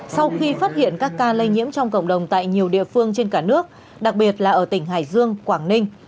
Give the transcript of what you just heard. sau khi phát hiện các ca lây nhiễm trong cộng đồng tại nhiều địa phương trên cả nước đặc biệt là ở tỉnh hải dương quảng ninh